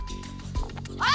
あ！